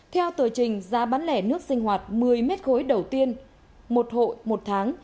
theo tờ trình giá bán lẻ nước sinh hoạt một mươi mét khối đầu tiên một hội một tháng